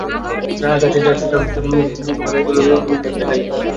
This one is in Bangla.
গায়ের আকাশি-সাদা জার্সিটা কলারে ধরে টেনে তুলে মুখটা ঢাকতে চাইলেন একবার।